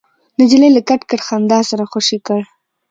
نجلۍ له کټ کټ خندا سره خوشې کړ.